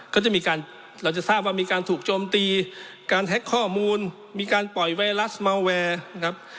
ก็จะมีการเราจะทราบว่ามีการถูกโจมตีการแฮ็กข้อมูลมีการปล่อยไวรัสเมาแวร์นะครับ